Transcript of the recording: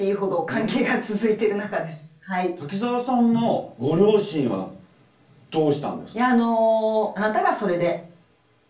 滝沢さんのご両親はどうしたんですか？